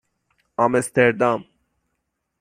آمستردام